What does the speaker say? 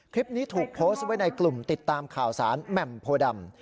คลิปนี้ถูกโพสต์ไว้ในกลุ่มติดตามข่าวสารแหม่มโพดำ